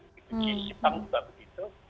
seperti jepang juga begitu